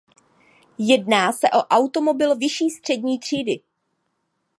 Jedná se o automobil vyšší střední třídy.